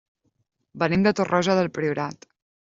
Venim de Torroja del Priorat.